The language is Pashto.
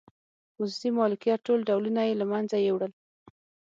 خصوصي مالکیت ټول ډولونه یې له منځه یووړل.